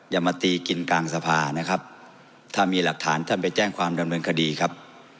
อย่ามาตีกินกลางสภานะครับถ้ามีหลักฐานท่านไปแจ้งความดำเนินคดีครับ